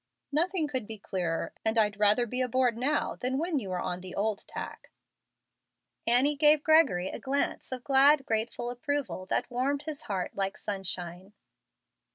"Nothing could be clearer, and I'd rather be aboard now than when you were on the old tack." Annie gave Gregory a glance of glad, grateful approval that warmed his heart like sunshine.